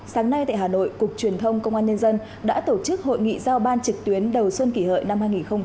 sáng nay tại hà nội cục truyền thông công an nhân dân đã tổ chức hội nghị giao ban trực tuyến đầu xuân kỷ hợi năm hai nghìn một mươi chín